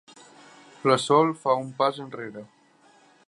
La Sol fa un pas enrere.